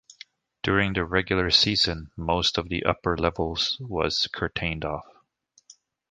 During the regular season, most of the upper level was curtained off.